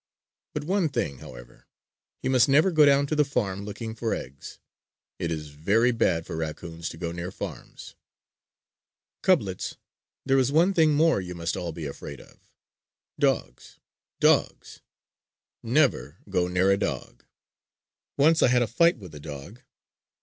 But one thing, however: he must never go down to the farm looking for eggs. It is very bad for raccoons to go near farms. "Cublets, there is one thing more you must all be afraid of: dogs! dogs! Never go near a dog! Once I had a fight with a dog.